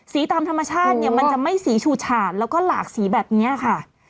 ตามธรรมชาติเนี่ยมันจะไม่สีฉูฉาดแล้วก็หลากสีแบบนี้ค่ะ